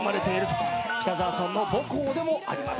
北澤さんの母校でもあります。